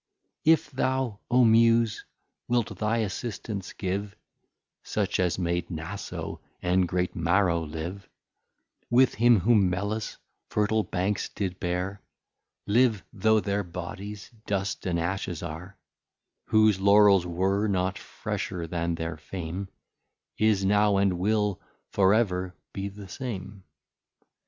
If thou O Muse wilt thy assistance give, Such as made Naso and great Maro live, With him whom Melas fertile Banks did bear, Live, though their Bodies dust and ashes are; Whose Laurels were not fresher, than their Fame Is now, and will for ever be the same.